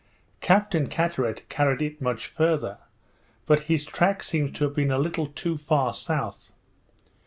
Captain Carteret carried it much farther; but his track seems to have been a little too far south.